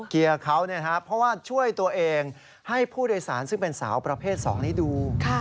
เกียร์เขาเพราะว่าช่วยตัวเองให้ผู้โดยสารซึ่งเป็นสาวประเภท๒ได้ดู